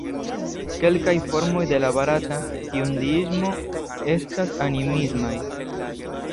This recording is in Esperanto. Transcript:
Kelkaj formoj de la barata Hinduismo estas animismaj.